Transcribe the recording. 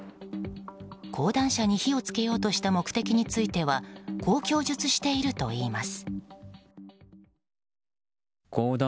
講談社に火を付けようとした目的についてはこう供述しているといいます。